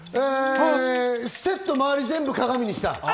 セット周り、全部鏡にした。